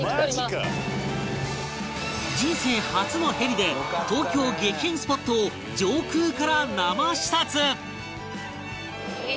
人生初のヘリで東京激変スポットを上空から生視察